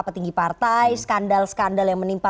petinggi partai skandal skandal yang menimpa